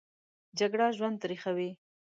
جګړه ژوند تریخوي